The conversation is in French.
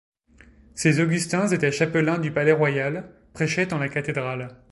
Ces Augustins étaient chapelains du Palais royal, prêchaient en la cathédrale.